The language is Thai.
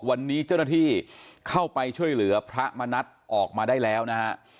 วันนี้เจ้าหน้าที่เข้าไปช่วยเหลือพระมณัฐออกมาได้แล้วนะฮะ